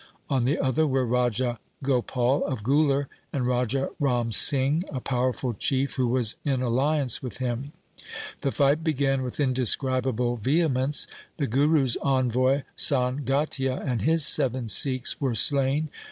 On the other were Raja Gopal of Guler and Raja Ram Singh, a powerful chief who was in alliance with him. The fight began with indescribable vehemence. The Guru's envoy Sangatia and his seven Sikhs were slain.